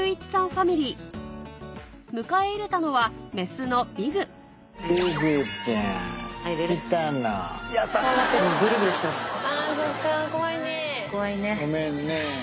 ファミリー迎え入れたのはメスのビグゴメンね。